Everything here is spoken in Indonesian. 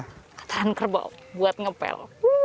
kotoran kerbau buat ngepel